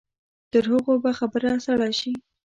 تر هغو به خبره سړه شي.